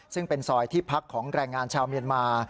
ซึ่งเป็นซอยที่พักของแรงงานชาวเมียนมา